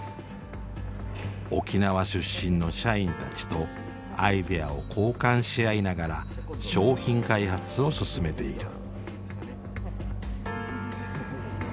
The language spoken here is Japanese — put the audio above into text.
沖縄出身の社員たちとアイデアを交換し合いながら商品開発を進めている。